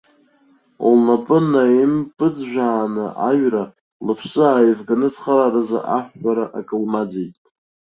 Лнапы наимпыҵжәаны аҩра, лыԥсы ааивганы ацхырааразы аҳәҳәара, акы лмаӡеит.